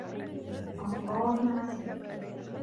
وَمَكْرُوهٍ عَسِرٍ